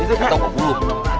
atau ke bulu